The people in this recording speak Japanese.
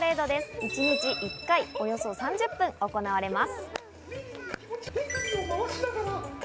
一日１回、およそ３０分行われます。